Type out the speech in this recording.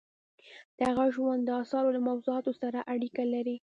د هغه ژوند د اثارو له موضوعاتو سره اړیکه لري.